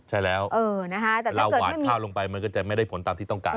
ใช่แล้วเออนะคะแต่ถ้าเกิดไม่มีเราหวานข้าวลงไปมันก็จะไม่ได้ผลตามที่ต้องการ